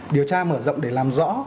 điều tra mở rộng để làm rõ